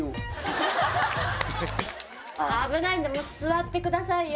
危ないんで座ってくださいよ。